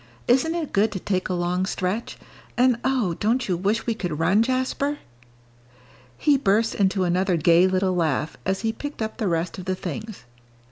"Isn't it good to take a long stretch? And oh, don't you wish we could run, Jasper?" He burst into another gay little laugh, as he picked up the rest of the things.